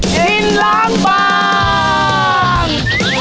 กินล้างบาง